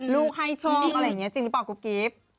ลูกให้โชคอะไรอย่างนี้จริงหรือเปล่ากุ๊กกิ๊บ